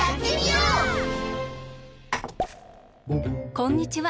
こんにちは。